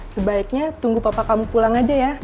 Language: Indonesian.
sebaiknya tunggu papa kamu pulang aja ya